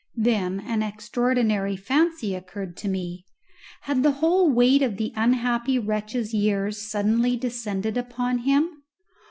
Then an extraordinary fancy occurred to me: Had the whole weight of the unhappy wretch's years suddenly descended upon him?